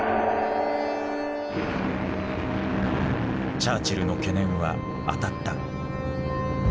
チャーチルの懸念は当たった。